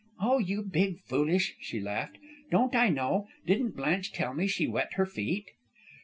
"Oh, you big foolish!" she laughed. "Don't I know? Didn't Blanche tell me she wet her feet?"